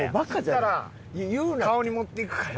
釣ったら顔に持っていくから。